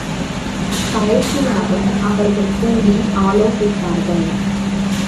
கடைசியாக, அவர்கள் கூடி ஆலோசித்தார்கள்.